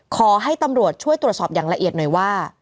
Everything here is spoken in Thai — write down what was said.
ขอให้ตำรวจช่วยตรวจสอบอย่างละเอียดหน่อยว่า